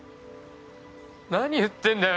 何言ってんだよ